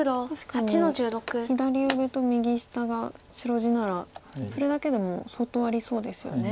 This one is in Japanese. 確かに左上と右下が白地ならそれだけでも相当ありそうですよね。